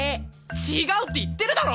違うって言ってるだろ！